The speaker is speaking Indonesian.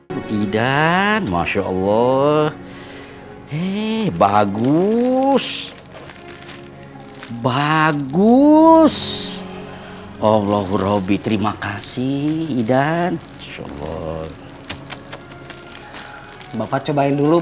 hai idan masya allah eh bagus bagus allah robbi terima kasih idan sholloh bapak cobain dulu